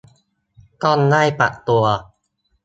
ต้องได้ปรับตัว